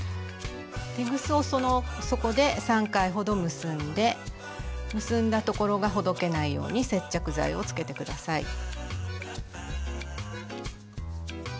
テグスをそこで３回ほど結んで結んだところがほどけないように接着剤をつけて下さい。